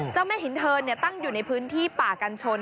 เจ้าแม่หินเทินตั้งอยู่ในพื้นที่ป่ากัญชน